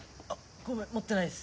ごめん持ってないです。